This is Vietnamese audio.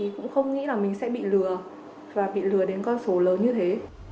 cũng không nghĩ là mình sẽ bị lừa và bị lừa đến con số lớn như thế